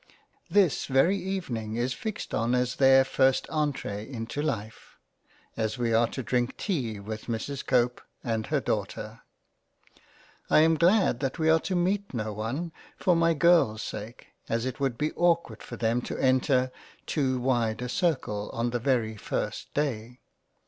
This very Evening is fixed on as their first entree into Life, as we are to drink tea with Mrs Cope and her Daughter. I am glad that we are to meet no one, for my Girls sake, as it would be awkward for them to enter too wide a Circle on the very first day.